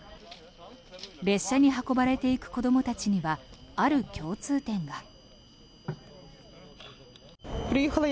列車に運ばれていく子どもたちにはある共通点が。